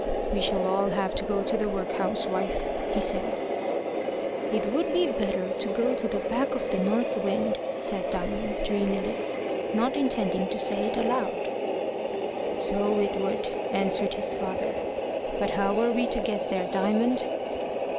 "We shall all have to go to the workhouse, wife," he said. "It would be better to go to the back of the north wind," said Diamond, dreamily, not intending to say it aloud. "So it would," answered his father. "But how are we to get there, Diamond?"